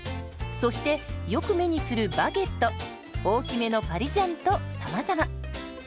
そしてよく目にするバゲット大きめのパリジャンとさまざま。